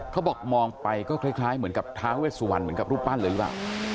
เขาบอกมองไปก็คล้ายเหมือนกับท้าเวสวันเหมือนกับรูปปั้นเลยหรือเปล่า